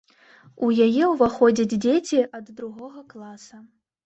У яе ўваходзяць дзеці ад другога класа.